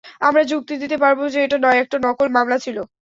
আমরা যুক্তি দিতে পারব যে এটা একটা নকল মামলা ছিল।